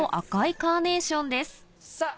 さぁ